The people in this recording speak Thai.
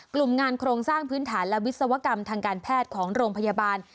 กลุ่มงานโครงสร้างพื้นฐานและวิศวกรรมทางการแพทย์ของโรงพยาบาล